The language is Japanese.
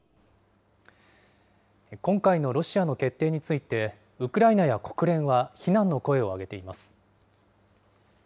今回のロシアの決定について、ウクライナや国連は非難の声を上げています。